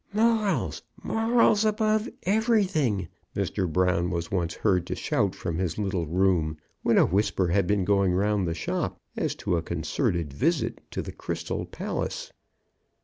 "Morals, morals, above everything!" Mr. Brown was once heard to shout from his little room, when a whisper had been going round the shop as to a concerted visit to the Crystal Palace.